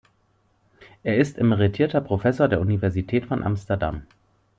Er ist emeritierter Professor der Universität von Amsterdam.